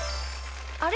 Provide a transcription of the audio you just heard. あれ？